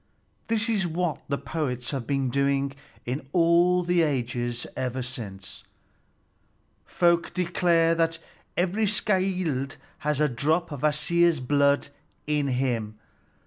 This is what the poets have been doing in all the ages ever since. Folk declare that every skald has a drop of Kvasir's blood in him.